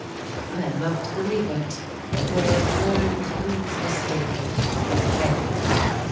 But men love to believe it. The girls learn to use the story because it pays."